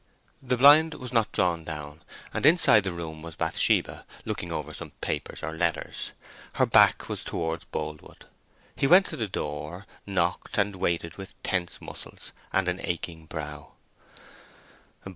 The blind was not drawn down, and inside the room was Bathsheba, looking over some papers or letters. Her back was towards Boldwood. He went to the door, knocked, and waited with tense muscles and an aching brow.